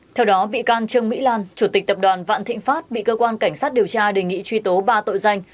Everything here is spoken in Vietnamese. theo đó bị can trương mỹ lan chủ tịch tập đoàn vạn thịnh pháp bị cơ quan cảnh sát điều tra đề nghị truy tố ba tội danh